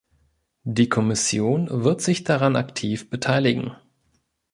Die Kommission wird sich daran aktiv beteiligen.